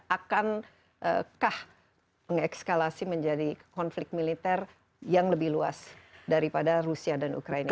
akankah mengekskalasi menjadi konflik militer yang lebih luas daripada rusia dan ukraina